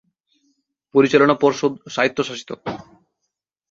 পরিচালনা পর্ষদ স্বায়ত্বশাসিত।